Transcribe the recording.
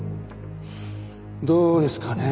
どうですかね。